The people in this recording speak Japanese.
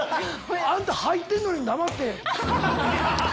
あんた入ってるのに黙って。